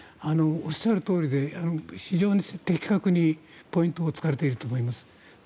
おっしゃるとおりで非常に的確にポイントを突かれていると思います。